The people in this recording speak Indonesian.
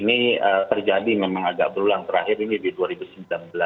ini terjadi memang agak berulang terakhir ini di dua ribu sembilan belas